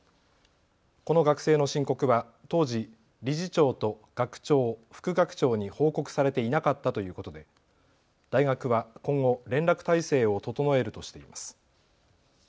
この学生の申告は当時、理事長と学長、副学長に報告されていなかったということで大学は今後、連絡体制を整えるとしています。